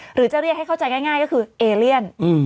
หรือจะเรียกให้เข้าใจง่ายก็คือเอเลียน